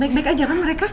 make back aja kan mereka